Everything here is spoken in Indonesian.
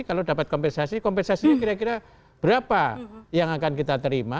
kalau dapat kompensasi kompensasinya kira kira berapa yang akan kita terima